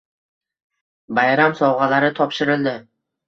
Bayram sovg‘alari topshirildi